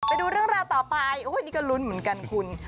ไปดูเรื่องราวต่อไปโอ้ยนี่ก็ลุ้นเหมือนกันคุณ